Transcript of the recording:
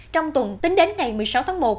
trong tuần tính đến ngày một mươi sáu tháng một